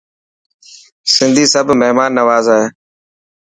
سنڌي سب مهمان نواز هي.